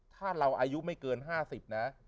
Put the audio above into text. ถ้าเราอายุไม่เกิน๕๐นะ